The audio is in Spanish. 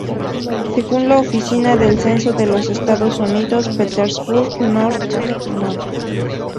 Según la Oficina del Censo de los Estados Unidos, Petersburg North No.